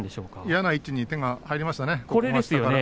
嫌な位置に手が入りましたね。